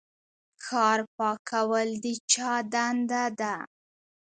ښار پاکول د چا دنده ده؟